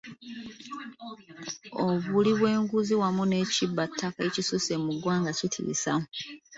Obuli bw'enguzi wamu n'ekibbattaka ekisusse mu ggwanga kitissa.